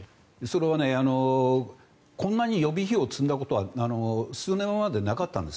それはこんなに予備費を積んだことは数年前までなかったんです。